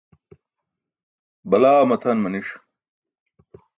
balaa matʰan maniṣ